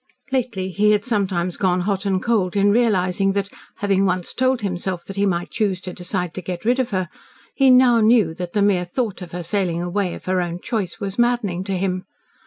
Lately he had sometimes gone hot and cold in realising that, having once told himself that he might choose to decide to get rid of her, he now knew that the mere thought of her sailing away of her own choice was maddening to him.